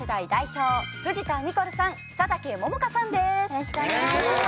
よろしくお願いします。